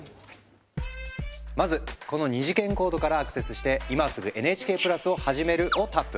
まずこの二次元コードからアクセスして「今すぐＮＨＫプラスをはじめる」をタップ。